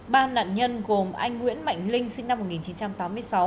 ba nạn nhân gồm anh nguyễn mạnh linh sinh năm một nghìn chín trăm tám mươi sáu